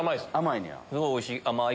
すごいおいしい。